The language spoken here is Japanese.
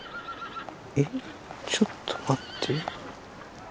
えっちょっと待って。